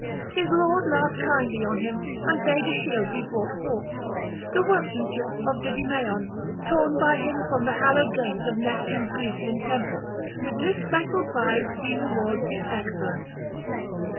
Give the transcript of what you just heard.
His lord laughed kindly on him, and bade a shield be brought forth, the workmanship of Didymaon, torn by him from the hallowed gates of Neptune's Grecian temple; with this special prize he rewards his excellence.